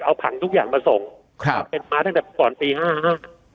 เอาผังทุกอย่างมาส่งครับเป็นมาตั้งแต่ก่อนปีห้าห้า